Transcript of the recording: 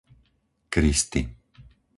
Kristy